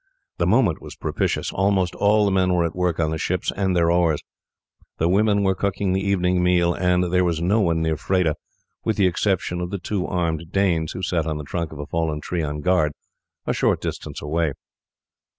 The moment was propitious; almost all the men were at work on the ships and their oars. The women were cooking the evening meal, and there was no one near Freda, with the exception of the two armed Danes who sat on the trunk of a fallen tree on guard, a short distance away.